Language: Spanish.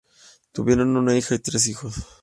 Tuvieron una hija y tres hijos.